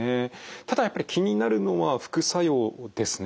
ただやっぱり気になるのは副作用ですね。